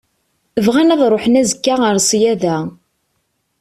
Bɣan ad ṛuḥen azekka ar ṣṣyada.